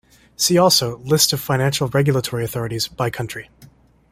See also List of financial regulatory authorities by country.